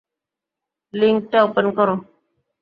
লিংকটা ওপেন করো।